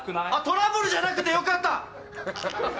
トラブルじゃなくて良かった！